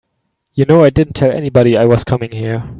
You know I didn't tell anybody I was coming here.